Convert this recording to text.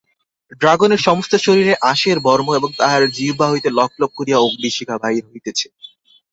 ড্রাগনের সমস্ত শরীরে আঁশের বর্ম এবং তাহার জিহ্বা হইতে লকলক করিয়া অগ্নিশিখা বাহির হইতেছে।